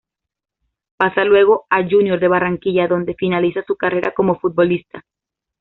Pasa luego a Junior de Barranquilla, donde finaliza su carrera como futbolista.